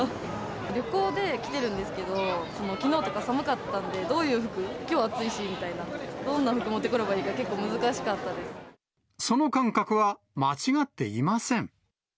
旅行で来てるんですけれども、きのうとか寒かったんで、どういう服、きょうは暑いしみたいな、どんな服持ってくればいいか、結構難しその感覚は間違っていません。